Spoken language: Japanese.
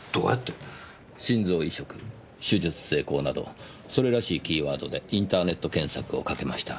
「心臓移植」「手術成功」などそれらしいキーワードでインターネット検索をかけました。